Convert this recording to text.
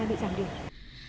bị giảm đỉnh